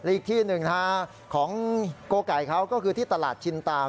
อีกที่หนึ่งนะฮะของโกไก่เขาก็คือที่ตลาดชินตาม